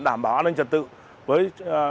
đảm bảo an ninh trật tự với